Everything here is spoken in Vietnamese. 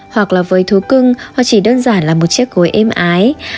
hoặc là với thú cưng họ chỉ đơn giản là một chiếc gối êm ái